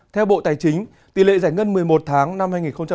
theo bộ tài chính tỷ lệ giải ngân một mươi một tháng năm hai nghìn hai mươi